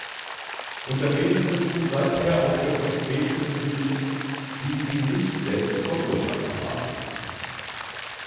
Unternehmen müssen seither auch für Verspätungen büßen, die sie nicht selbst verursacht haben.